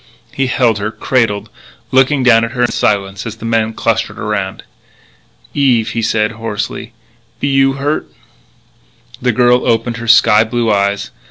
He held her, cradled, looking down at her in silence as the men clustered around. "Eve," he said hoarsely, "be you hurted?" The girl opened her sky blue eyes.